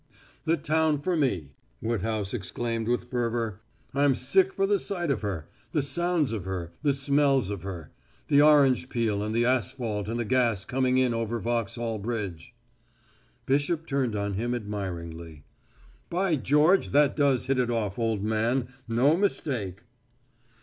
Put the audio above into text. "The town for me!" Woodhouse exclaimed with fervor. "I'm sick for the sight of her the sounds of her the smells of her: the orange peel and the asphalt and the gas coming in over Vauxhall Bridge." Bishop turned on him admiringly. "By George, that does hit it off, old man no mistake!"